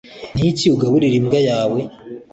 niki ugaburira imbwa yawe